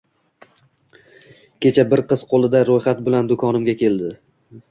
Kecha bir qiz qo`lida ro`yxat bilan do`konimga keldi